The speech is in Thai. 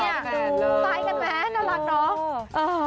ไซด์กันแม่นน่ารักเนอะ